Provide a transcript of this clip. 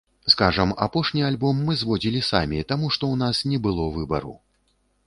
Скажам, апошні альбом мы зводзілі самі, таму што ў нас не было выбару.